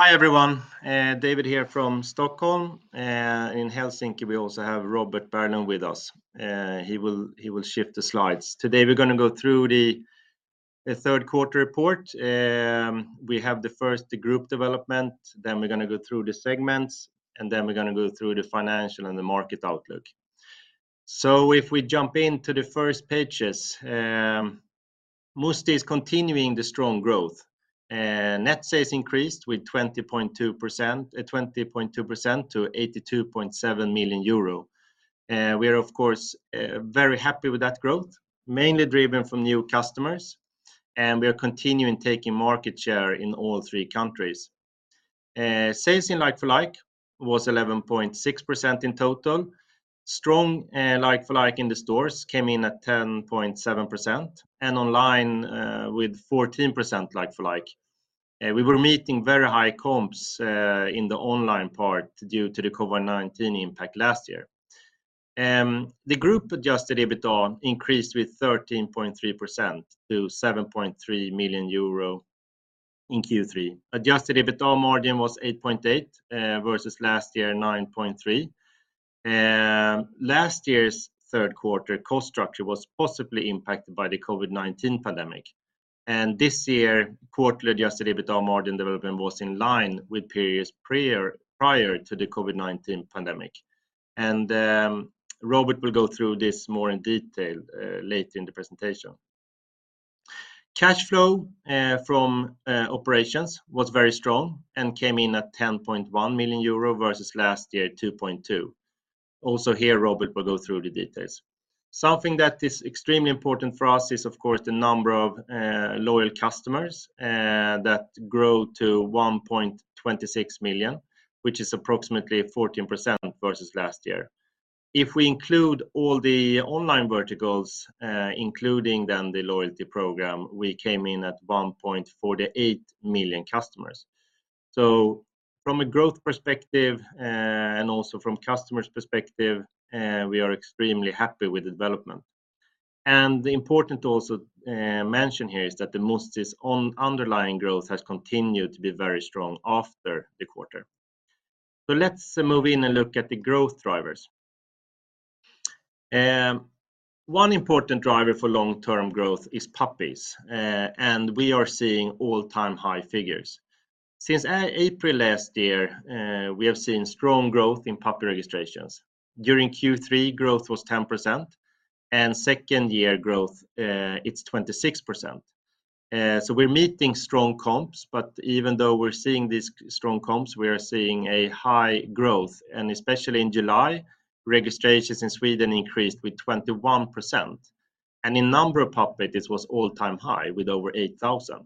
Hi, everyone. David here from Stockholm. In Helsinki, we also have Robert Berglund with us. He will shift the slides. Today, we're going to go through the third quarter report. We have first the group development, then we're going to go through the segments, and then we're going to go through the financial and the market outlook. If we jump into the first pages, Musti is continuing the strong growth. Net sales increased with 20.2% to 82.7 million euro. We are, of course, very happy with that growth, mainly driven from new customers, and we are continuing taking market share in all three countries. Sales in like-for-like was 11.6% in total. Strong like-for-like in the stores came in at 10.7%, and online with 14% like-for-like. We were meeting very high comps in the online part due to the COVID-19 impact last year. The group adjusted EBITDA increased with 13.3% to 7.3 million euro in Q3. Adjusted EBITDA margin was 8.8% versus last year, 9.3%. Last year's third quarter cost structure was positively impacted by the COVID-19 pandemic. This year, quarterly adjusted EBITDA margin development was in line with periods prior to the COVID-19 pandemic. Robert will go through this more in detail later in the presentation. Cash flow from operations was very strong and came in at 10.1 million euro versus last year, 2.2 million. Also here, Robert will go through the details. Something that is extremely important for us is, of course, the number of loyal customers that grow to 1.26 million, which is approximately 14% versus last year. If we include all the online verticals, including then the loyalty program, we came in at 1.48 million customers. From a growth perspective, and also from a customer's perspective, we are extremely happy with the development. Important to also mention here is that Musti's underlying growth has continued to be very strong after the quarter. Let's move in and look at the growth drivers. One important driver for long-term growth is puppies. We are seeing all-time high figures. Since April last year, we have seen strong growth in puppy registrations. During Q3, growth was 10%, and second year growth, it's 26%. We're meeting strong comps, but even though we're seeing these strong comps, we are seeing a high growth, and especially in July, registrations in Sweden increased with 21%. In number of puppies, this was all-time high with over 8,000.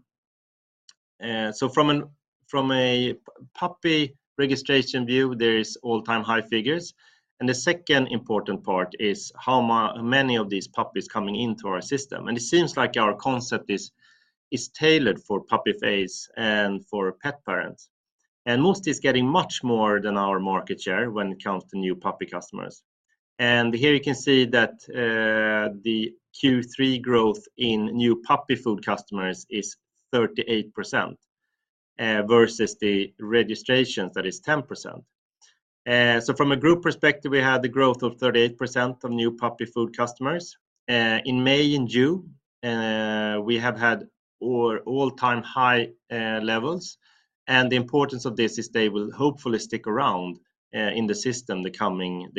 From a puppy registration view, there is all-time high figures. The second important part is how many of these puppies coming into our system. It seems like our concept is tailored for puppy phase and for pet parents. Musti is getting much more than our market share when it comes to new puppy customers. Here you can see that the Q3 growth in new puppy food customers is 38% versus the registrations that is 10%. From a group perspective, we had the growth of 38% of new puppy food customers. In May and June, we have had all-time high levels, and the importance of this is they will hopefully stick around in the system the coming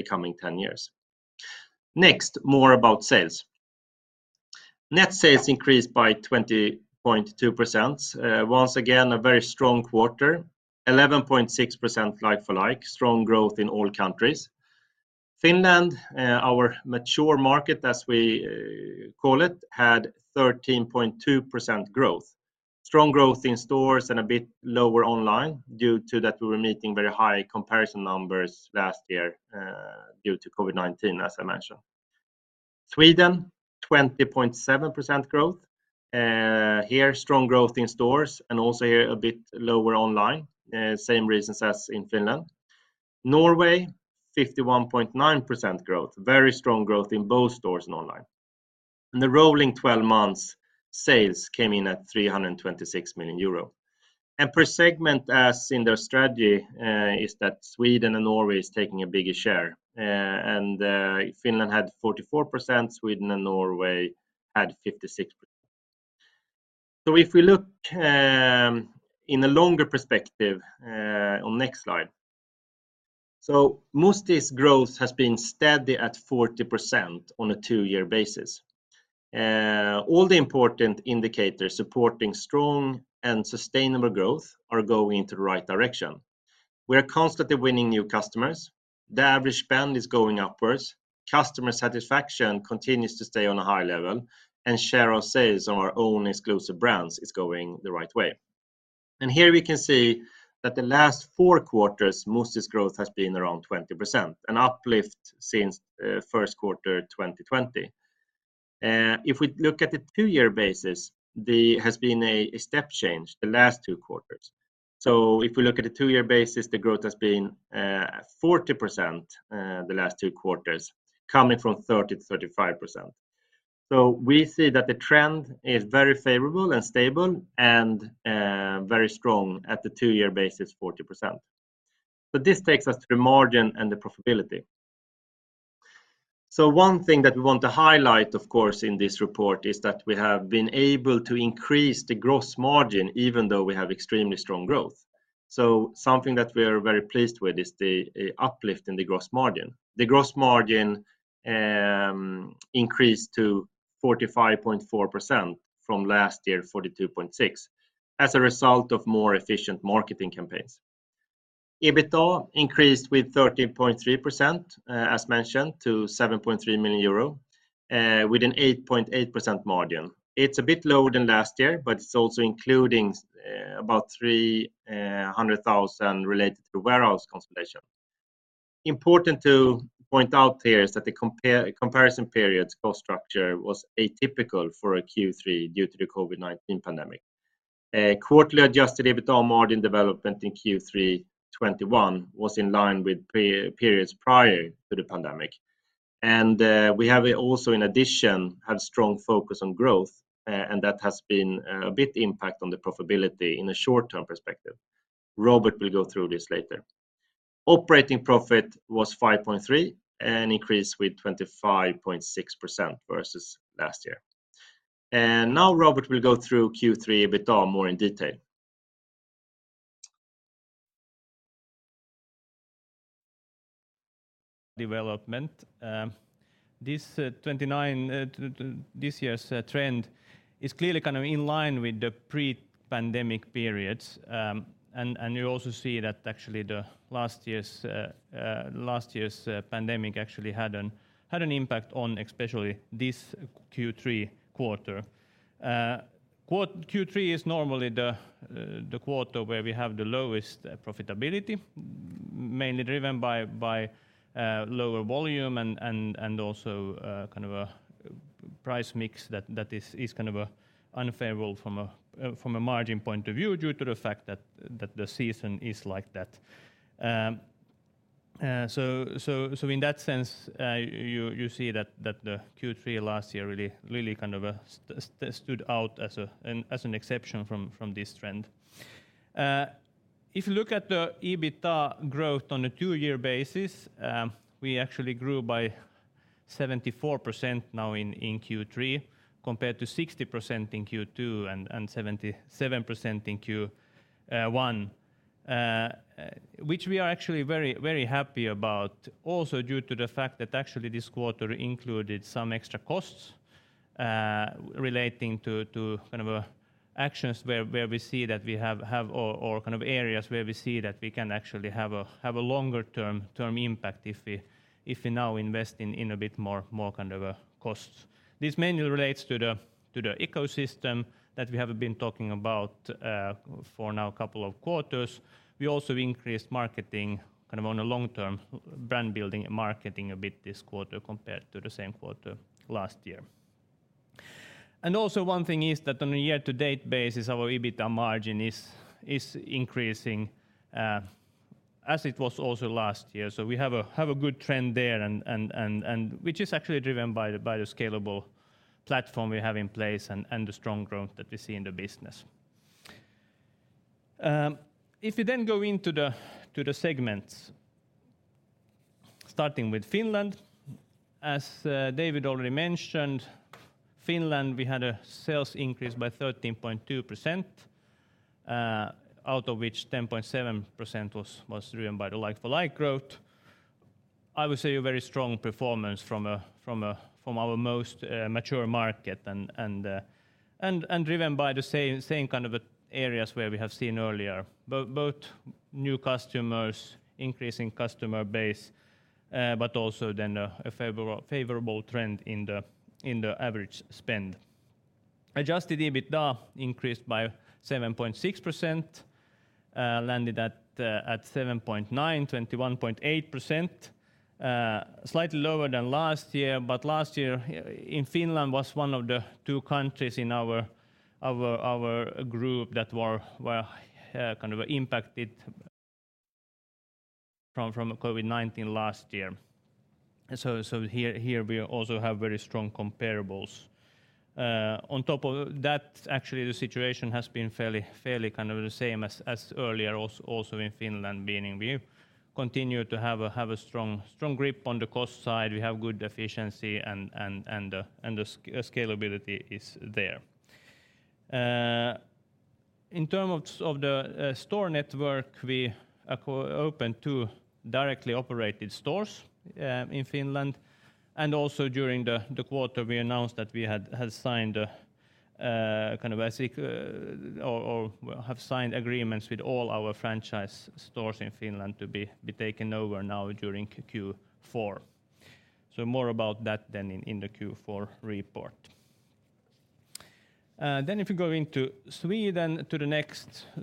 10 years. Next, more about sales. Net sales increased by 20.2%. Once again, a very strong quarter, 11.6% like-for-like, strong growth in all countries. Finland, our mature market, as we call it, had 13.2% growth. Strong growth in stores and a bit lower online due to that we were meeting very high comparison numbers last year, due to COVID-19, as I mentioned. Sweden, 20.7% growth. Here, strong growth in stores and also here a bit lower online. Same reasons as in Finland. Norway, 51.9% growth. Very strong growth in both stores and online. The rolling 12 months sales came in at 326 million euro. Per segment, as in their strategy, is that Sweden and Norway is taking a bigger share. Finland had 44%, Sweden and Norway had 56%. If we look in a longer perspective on next slide. Musti's growth has been steady at 40% on a two-year basis. All the important indicators supporting strong and sustainable growth are going into the right direction. We are constantly winning new customers. The average spend is going upwards. Customer satisfaction continues to stay on a high level, and share of sales on our own exclusive brands is going the right way. Here we can see that the last four quarters, Musti's growth has been around 20%, an uplift since first quarter 2020. If we look at the two-year basis, there has been a step change the last two quarters. If we look at a two-year basis, the growth has been 40% the last three quarters, coming from 30%-35%. We see that the trend is very favorable and stable, and very strong at the two-year basis, 40%. This takes us to the margin and the profitability. One thing that we want to highlight, of course, in this report is that we have been able to increase the gross margin even though we have extremely strong growth. Something that we are very pleased with is the uplift in the gross margin. The gross margin increased to 45.4% from last year, 42.6%, as a result of more efficient marketing campaigns. EBITDA increased with 13.3%, as mentioned, to 7.3 million euro, with an 8.8% margin. It's a bit lower than last year, but it's also including about 300,000 related to warehouse consolidation. Important to point out here is that the comparison period's cost structure was atypical for a Q3 due to the COVID-19 pandemic. Quarterly adjusted EBITDA margin development in Q3 2021 was in line with periods prior to the pandemic. We have also, in addition, had strong focus on growth, and that has been a big impact on the profitability in a short-term perspective. Robert will go through this later. Operating profit was 5.3 million and increased with 25.6% versus last year. Now Robert will go through Q3 EBITDA more in detail. Development. This year's trend is clearly in line with the pre-pandemic periods. You also see that actually last year's pandemic actually had an impact on especially this Q3 quarter. Q3 is normally the quarter where we have the lowest profitability, mainly driven by lower volume and also a price mix that is unfavorable from a margin point of view due to the fact that the season is like that. In that sense, you see that the Q3 last year really stood out as an exception from this trend. If you look at the EBITDA growth on a two-year basis, we actually grew by 74% now in Q3 compared to 60% in Q2 and 77% in Q1, which we are actually very happy about also due to the fact that actually this quarter included some extra costs relating to actions where we see that we have areas where we can actually have a longer-term impact if we now invest in a bit more costs. This mainly relates to the ecosystem that we have been talking about for now a couple of quarters. We also increased marketing on a long-term brand-building marketing a bit this quarter compared to the same quarter last year. Also one thing is that on a year-to-date basis, our EBITDA margin is increasing as it was also last year. We have a good trend there, which is actually driven by the scalable platform we have in place and the strong growth that we see in the business. If you go into the segments, starting with Finland, as David already mentioned, Finland, we had a sales increase by 13.2%, out of which 10.7% was driven by the like-for-like growth. I would say a very strong performance from our most mature market and driven by the same kind of areas where we have seen earlier. Both new customers, increase in customer base, but also then a favorable trend in the average spend. Adjusted EBITDA increased by 7.6%, landed at 7.9%, 21.8%, slightly lower than last year, but last year in Finland was one of the two countries in our group that were impacted from COVID-19 last year. Here we also have very strong comparables. On top of that, actually, the situation has been fairly the same as earlier also in Finland, meaning we continue to have a strong grip on the cost side, we have good efficiency, and the scalability is there. In terms of the store network, we opened two directly operated stores in Finland, and also during the quarter, we announced that we have signed agreements with all our franchise stores in Finland to be taken over now during Q4. More about that in the Q4 report. If you go into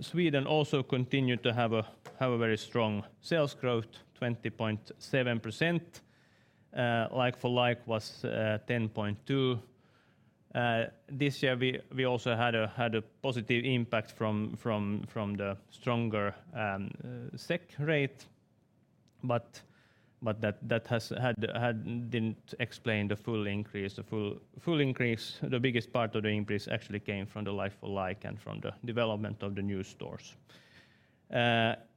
Sweden also continued to have a very strong sales growth, 20.7%. Like-for-like was 10.2%. This year, we also had a positive impact from the stronger SEK rate. That didn't explain the full increase. The biggest part of the increase actually came from the like-for-like and from the development of the new stores.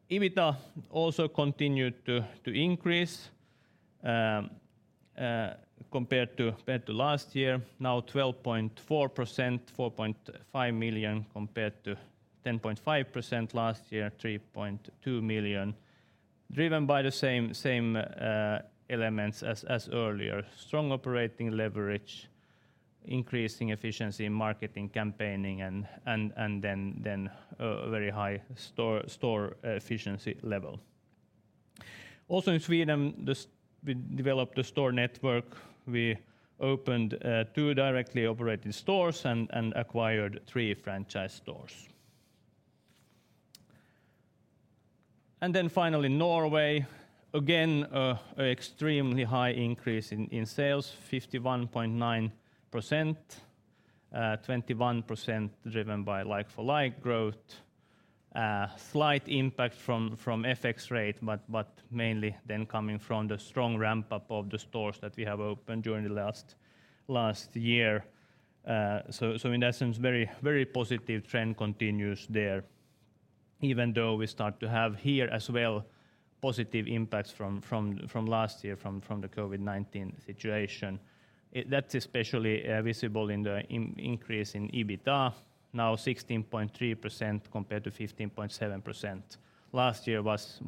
EBITDA also continued to increase compared to last year, now 12.4%, 4.5 million compared to 10.5% last year, 3.2 million, driven by the same elements as earlier: strong operating leverage, increasing efficiency in marketing, campaigning, and then a very high store efficiency level. Also in Sweden, we developed the store network. We opened two directly operated stores and acquired three franchise stores. Finally, Norway. Again, extremely high increase in sales, 51.9%, 21% driven by like-for-like growth. Slight impact from FX rate, but mainly then coming from the strong ramp-up of the stores that we have opened during the last year. In that sense, very positive trend continues there, even though we start to have here as well positive impacts from last year, from the COVID-19 situation. That's especially visible in the increase in EBITDA, now 16.3% compared to 15.7%. Last year was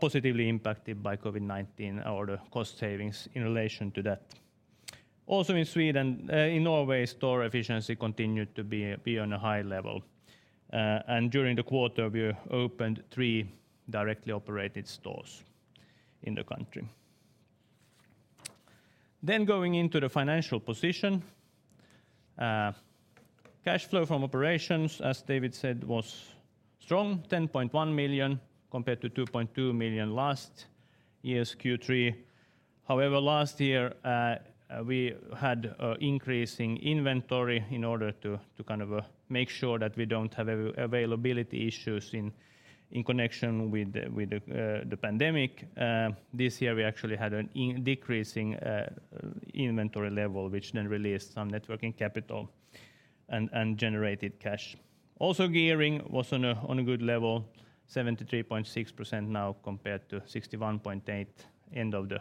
positively impacted by COVID-19 or the cost savings in relation to that. Also in Norway, store efficiency continued to be on a high level. During the quarter, we opened three directly operated stores in the country. Going into the financial position. Cash flow from operations, as David said, was strong, 10.1 million compared to 2.2 million last year's Q3. However, last year, we had increasing inventory in order to make sure that we don't have availability issues in connection with the pandemic. This year, we actually had a decreasing inventory level, which then released some net working capital and generated cash. Also, gearing was on a good level, 73.6% now compared to 61.8% end of the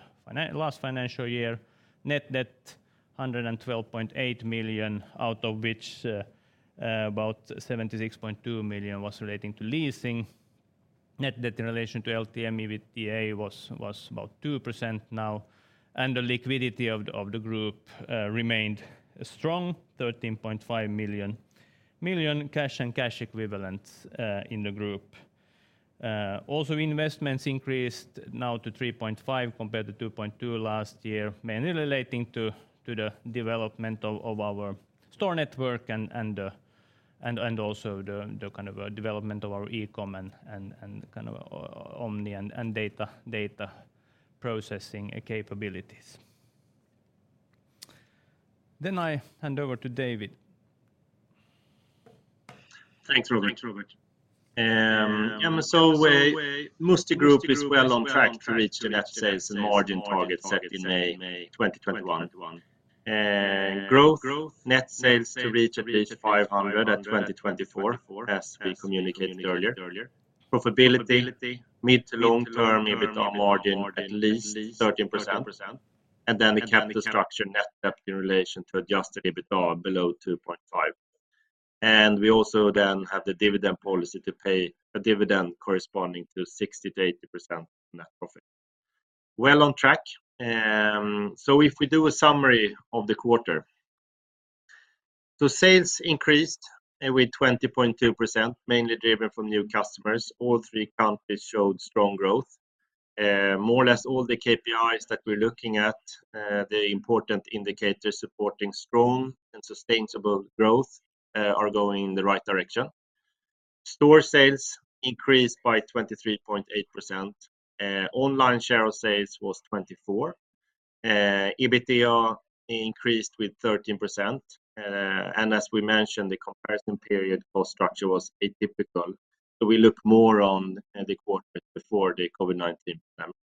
last financial year. Net debt, 112.8 million, out of which about 76.2 million was relating to leasing. Net debt in relation to LTM EBITDA was about 2% now, and the liquidity of the group remained strong, 13.5 million cash and cash equivalents in the group. Also, investments increased now to 3.5 million compared to 2.2 million last year, mainly relating to the development of our store network and also the development of our ecom and omni and data processing capabilities. I hand over to David. Thanks, Robert. Musti Group is well on track to reach the net sales and margin targets set in May 2021. Growth, net sales to reach at least 500 million at 2024, as we communicated earlier. Profitability, mid to long term EBITDA margin at least 13%. The capital structure, net debt in relation to adjusted EBITDA below 2.5. We also then have the dividend policy to pay a dividend corresponding to 60%-80% net profit. Well on track. If we do a summary of the quarter, the sales increased with 20.2%, mainly driven from new customers. All three countries showed strong growth. More or less all the KPIs that we're looking at, the important indicators supporting strong and sustainable growth are going in the right direction. Store sales increased by 23.8%. Online share of sales was 24%. EBITDA increased with 13%. As we mentioned, the comparison period cost structure was atypical. We look more on the quarter before the COVID-19 pandemic.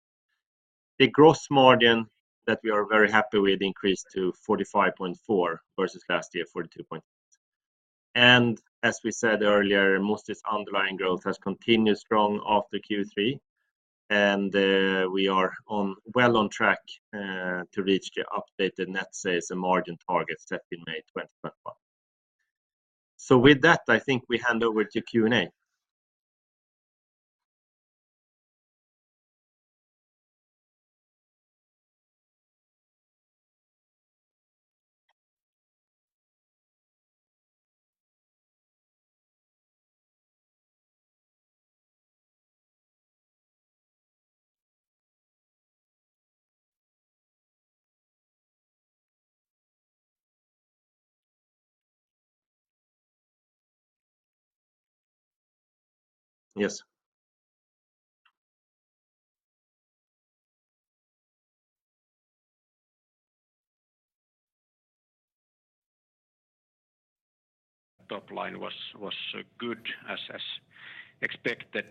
The gross margin that we are very happy with increased to 45.4% versus last year, 42.6%. As we said earlier, Musti's underlying growth has continued strong after Q3, and we are well on track to reach the updated net sales and margin targets set in May 2021. With that, I think we hand over to Q&A. Yes. Top line was good as expected.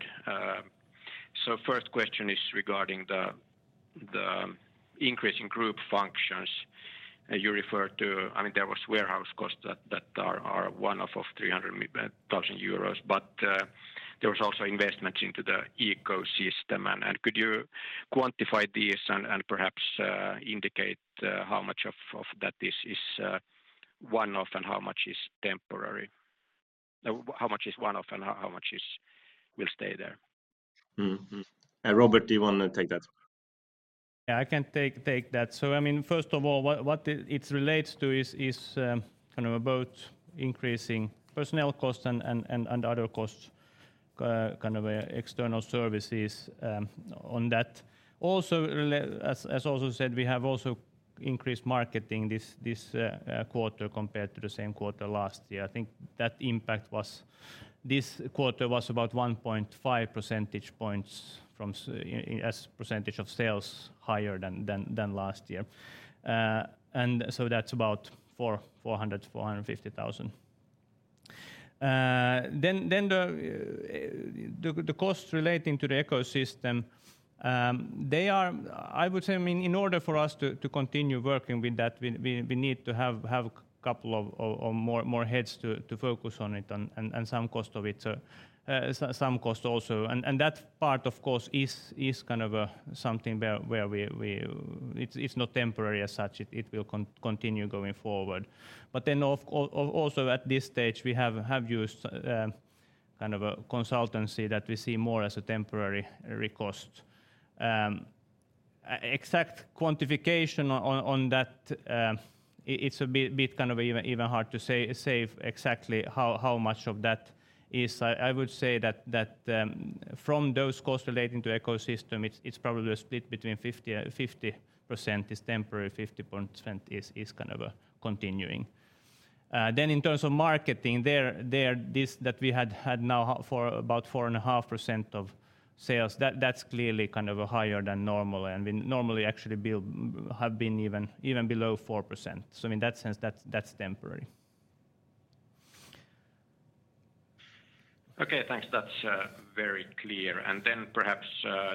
First question is regarding the increase in group functions you referred to. There was warehouse costs that are one-off of 300,000 euros, but there was also investments into the ecosystem. Could you quantify this and perhaps indicate how much of that is one-off and how much will stay there? Robert, do you want to take that? Yeah, I can take that. First of all, what it relates to is about increasing personnel costs and other costs, kind of external services on that. As also said, we have also increased marketing this quarter compared to the same quarter last year. I think that impact this quarter was about 1.5 percentage points as percentage of sales higher than last year. That's about 400,000, 450,000. The costs relating to the ecosystem, I would say, in order for us to continue working with that, we need to have couple of more heads to focus on it and some cost also. That part, of course, is something where it's not temporary as such. It will continue going forward. At this stage, we have used a consultancy that we see more as a temporary resource. Exact quantification on that, it's a bit kind of even hard to say exactly how much of that is. I would say that from those costs relating to ecosystem, it's probably a split between 50% is temporary, 50% is kind of continuing. In terms of marketing, that we had now for about 4.5% of sales, that's clearly higher than normal. We normally actually have been even below 4%. In that sense, that's temporary. Okay, thanks. That's very clear. Perhaps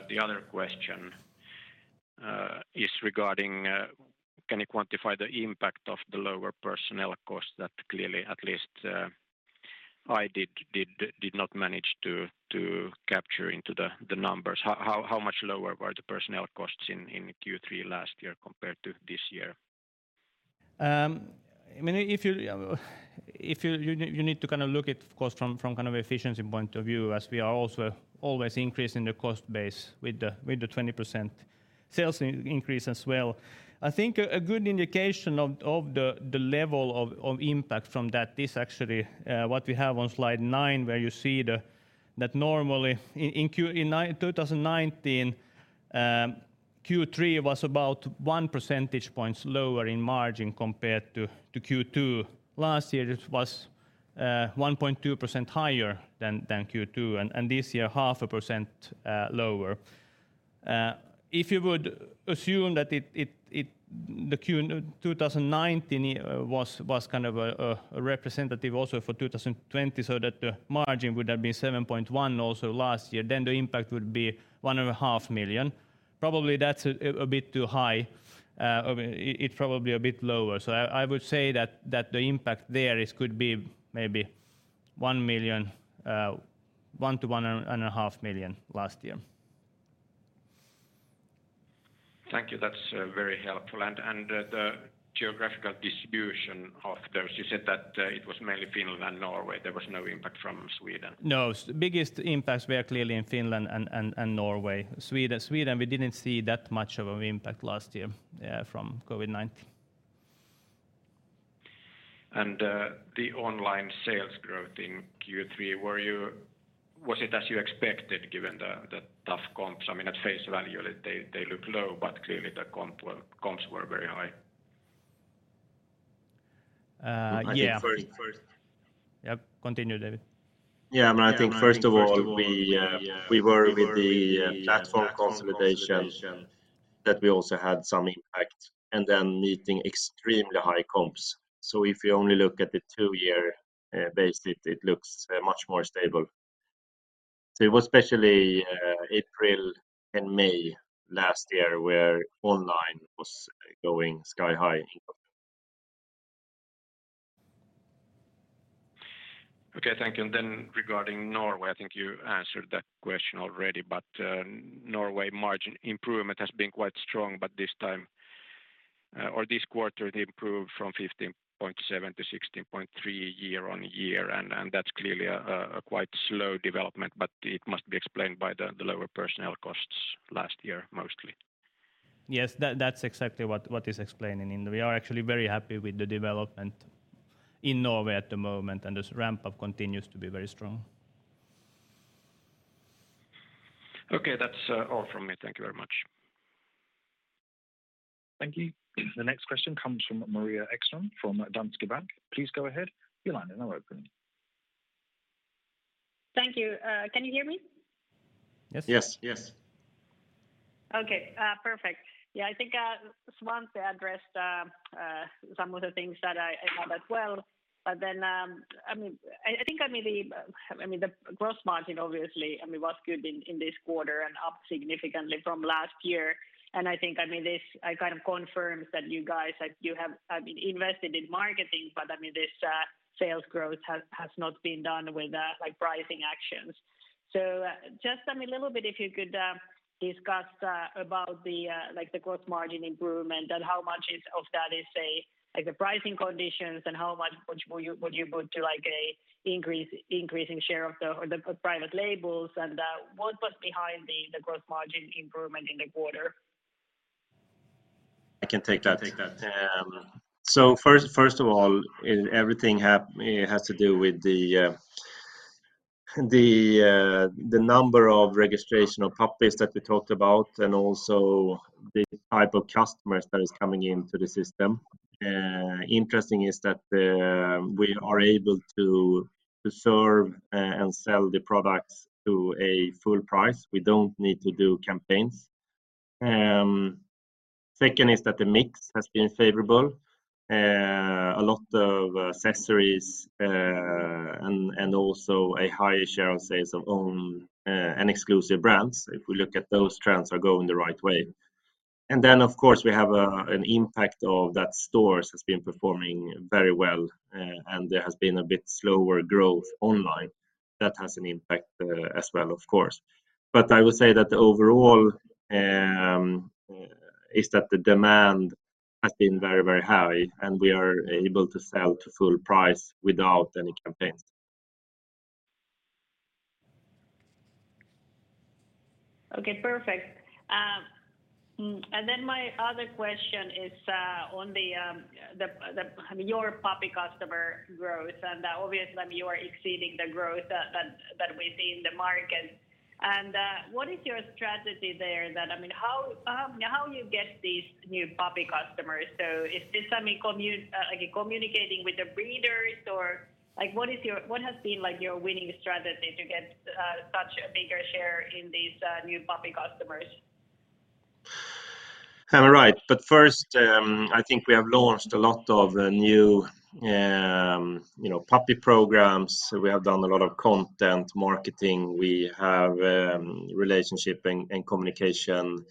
the other question is regarding can you quantify the impact of the lower personnel costs that clearly, at least I did not manage to capture into the numbers. How much lower were the personnel costs in Q3 last year compared to this year? You need to look at cost from efficiency point of view as we are also always increasing the cost base with the 20% sales increase as well. I think a good indication of the level of impact from that is actually what we have on slide nine, where you see that normally in 2019, Q3 was about 1 percentage point lower in margin compared to Q2. Last year, it was 1.2% higher than Q2, and this year, 0.5% lower. If you would assume that in 2019 was kind of a representative also for 2020, so that the margin would have been 7.1 also last year, then the impact would be 1.5 million. Probably that's a bit too high. It probably a bit lower. I would say that the impact there could be maybe 1 million- 1.5 million last year. Thank you. That's very helpful. The geographical distribution of those, you said that it was mainly Finland and Norway. There was no impact from Sweden. No. Biggest impacts were clearly in Finland and Norway. Sweden, we didn't see that much of an impact last year, yeah, from COVID-19. The online sales growth in Q3, was it as you expected given the tough comps? At face value, they look low, but clearly the comps were very high. Yeah. I think. Yep, continue, David. I think first of all, we were with the platform consolidation that we also had some impact then meeting extremely high comps. If you only look at the two-year base, it looks much more stable. It was especially April and May last year where online was going sky high. Okay, thank you. Regarding Norway, I think you answered that question already, but Norway margin improvement has been quite strong. This time or this quarter, they improved from 15.7% to 16.3% year-on-year. That's clearly a quite slow development. It must be explained by the lower personnel costs last year mostly. Yes, that's exactly what is explained. We are actually very happy with the development in Norway at the moment, and this ramp-up continues to be very strong. Okay, that's all from me. Thank you very much. Thank you. The next question comes from Maria Ekström from Danske Bank. Please go ahead. Your line is now open. Thank you. Can you hear me? Yes. Okay, perfect. I think Svante addressed some of the things that I have as well. The gross margin obviously was good in this quarter and up significantly from last year. I think this confirms that you guys have invested in marketing, but this sales growth has not been done with pricing actions. Just a little bit, if you could discuss about the gross margin improvement and how much of that is, say, the pricing conditions and how much would you put to increasing share of the private labels and what was behind the gross margin improvement in the quarter? I can take that. First of all, everything has to do with the number of registration of puppies that we talked about and also the type of customers that is coming into the system. Interesting is that we are able to serve and sell the products to a full price. We don't need to do campaigns. Second is that the mix has been favorable. A lot of accessories, and also a higher share of sales of own and exclusive brands, if we look at those trends, are going the right way. Of course, we have an impact of that stores has been performing very well, and there has been a bit slower growth online. That has an impact as well, of course. I would say that the overall is that the demand has been very high, and we are able to sell to full price without any campaigns. Okay, perfect. My other question is on your puppy customer growth, and obviously you are exceeding the growth that we see in the market. What is your strategy there? How you get these new puppy customers? Is this communicating with the breeders or what has been your winning strategy to get such a bigger share in these new puppy customers? Right. First, I think we have launched a lot of new puppy programs. We have done a lot of content marketing. We have relationship and communication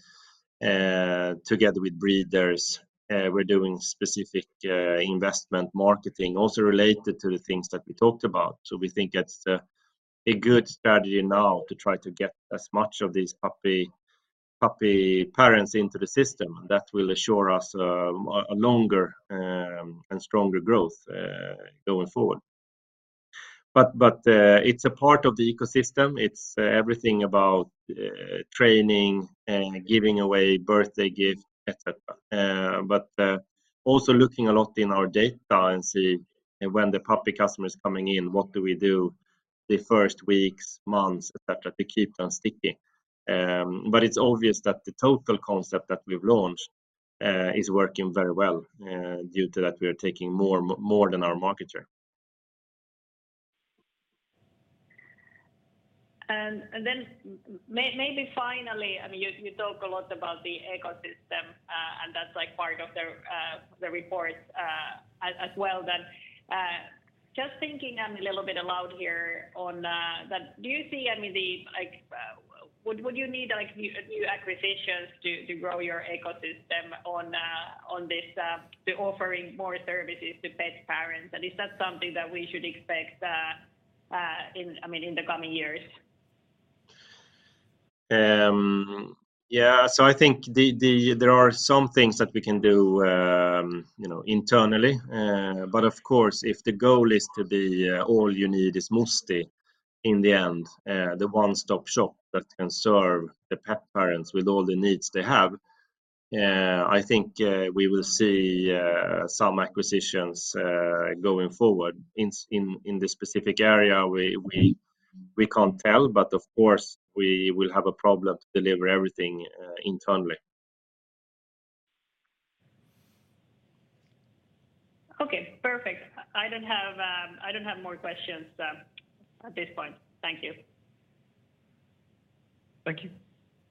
together with breeders. We're doing specific investment marketing also related to the things that we talked about. We think it's a good strategy now to try to get as much of these puppy parents into the system, and that will assure us a longer and stronger growth going forward. It's a part of the ecosystem. It's everything about training and giving away birthday gift, et cetera. Also looking a lot in our data and see when the puppy customer is coming in, what do we do the first weeks, months, et cetera, to keep them sticking. It's obvious that the total concept that we've launched is working very well due to that we are taking more than our market share. Maybe finally, you talk a lot about the ecosystem, and that's part of the report as well. Just thinking a little bit aloud here on that, would you need new acquisitions to grow your ecosystem on this, offering more services to pet parents? Is that something that we should expect in the coming years? I think there are some things that we can do internally. Of course, if the goal is to be all you need is Musti in the end, the one-stop shop that can serve the pet parents with all the needs they have, I think we will see some acquisitions going forward. In the specific area, we can't tell, but of course, we will have a problem to deliver everything internally. Okay, perfect. I don't have more questions at this point. Thank you. Thank you.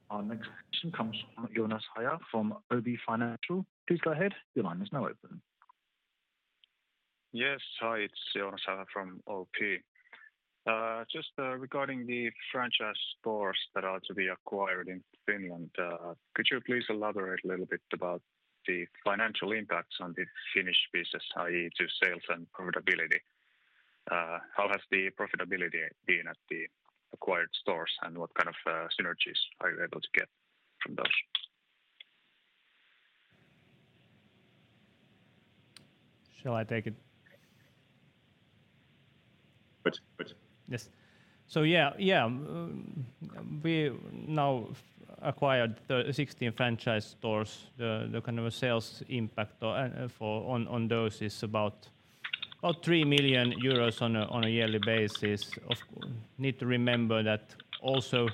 Our next question comes from Joonas Häyhä from OP Financial. Please go ahead. Your line is now open. Yes. Hi, it's Joonas Häyhä from OP. Just regarding the franchise stores that are to be acquired in Finland, could you please elaborate a little bit about the financial impacts on the Finnish business, i.e., to sales and profitability? How has the profitability been at the acquired stores, and what kind of synergies are you able to get from those? Shall I take it? Go ahead. Yes. We now acquired the 16 franchise stores. The kind of a sales impact on those is about 3 million euros on a yearly basis. Of course, need to remember that also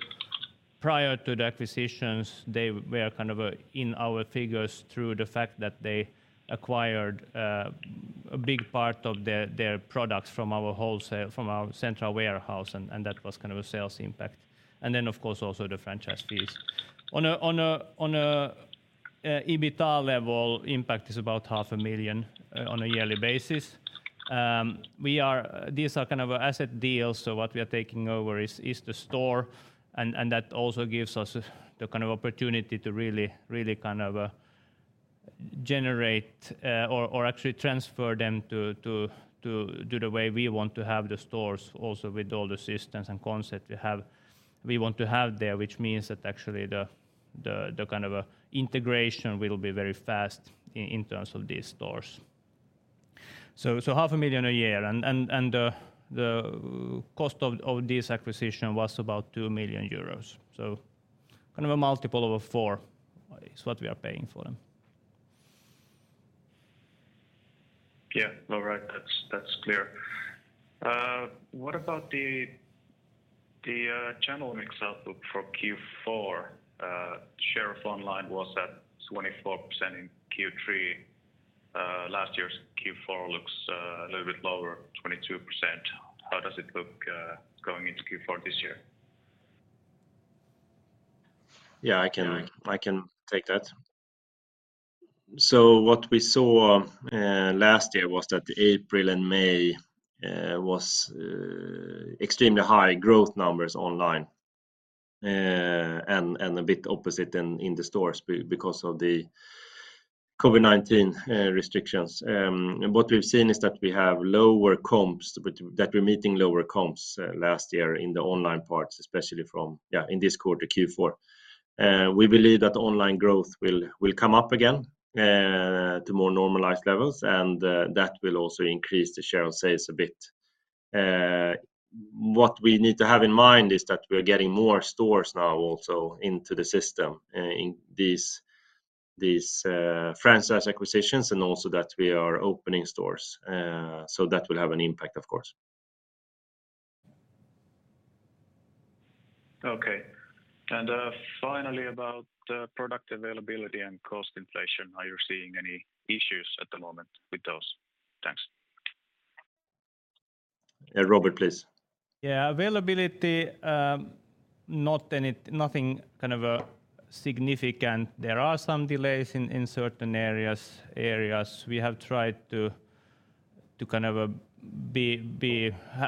prior to the acquisitions, they were in our figures through the fact that they acquired a big part of their products from our central warehouse, and that was a sales impact. Of course, also the franchise fees. On an EBITDA level, impact is about 0.5 million On a yearly basis. These are asset deals, what we are taking over is the store, and that also gives us the opportunity to really generate or actually transfer them to do the way we want to have the stores, also with all the systems and concepts we want to have there, which means that actually the integration will be very fast in terms of these stores. 0.5 million a year, and the cost of this acquisition was about 2 million euros. A multiple of four is what we are paying for them. Yeah. All right. That's clear. What about the channel mix outlook for Q4? Share of online was at 24% in Q3. Last year's Q4 looks a little bit lower, 22%. How does it look going into Q4 this year? Yeah, I can take that. What we saw last year was that April and May was extremely high growth numbers online and a bit opposite in the stores because of the COVID-19 restrictions. What we've seen is that we're meeting lower comps last year in the online parts, especially in this quarter, Q4. We believe that online growth will come up again to more normalized levels, and that will also increase the share of sales a bit. What we need to have in mind is that we are getting more stores now also into the system in these franchise acquisitions and also that we are opening stores. That will have an impact, of course. Okay. Finally, about product availability and cost inflation, are you seeing any issues at the moment with those? Thanks. Robert, please. Yeah. Availability, nothing significant. There are some delays in certain areas. We have tried to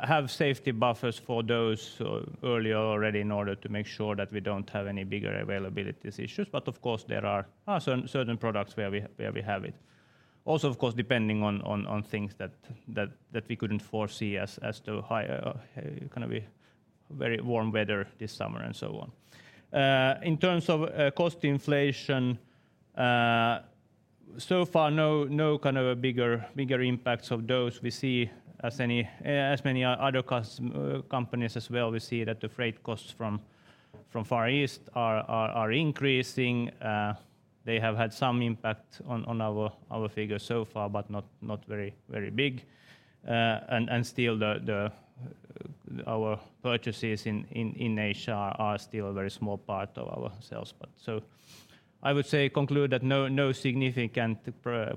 have safety buffers for those earlier already in order to make sure that we don't have any bigger availability issues. Of course, there are certain products where we have it. Also, of course, depending on things that we couldn't foresee as the very warm weather this summer and so on. In terms of cost inflation, so far, no bigger impacts of those. As many other companies as well, we see that the freight costs from Far East are increasing. They have had some impact on our figures so far, but not very big. Still our purchases in Asia are still a very small part of our sales. I would conclude that no significant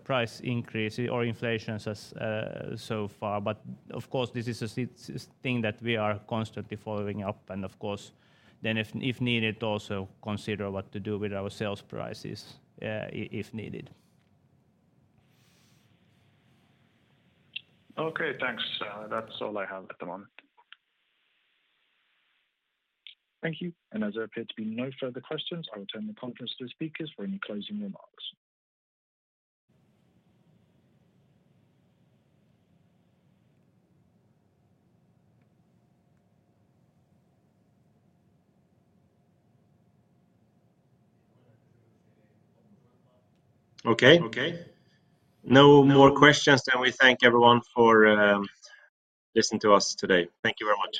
price increase or inflation so far. Of course, this is a thing that we are constantly following up, and of course, then if needed, also consider what to do with our sales prices, if needed. Okay, thanks. That's all I have at the moment. Thank you. As there appear to be no further questions, I will return the conference to the speakers for any closing remarks. Okay. No more questions, then we thank everyone for listening to us today. Thank you very much.